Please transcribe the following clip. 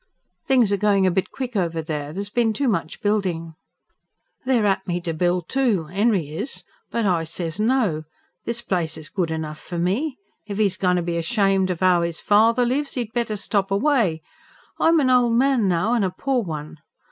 "Things are going a bit quick over there. There's been too much building." "They're at me to build, too 'Enry is. But I says no. This place is good enough for me. If 'e's goin' to be ashamed of 'ow 'is father lives, 'e'd better stop away. I'm an ol' man now, an' a poor one.